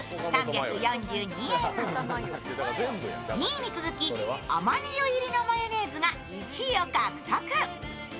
２位に続きアマニ油入りのマヨネーズが１位を獲得。